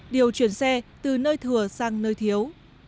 điều chuyển xe từ nơi thừa sang nơi thiếu